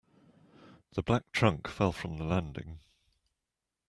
The black trunk fell from the landing.